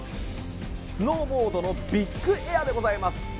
スノーボードのビッグエアです。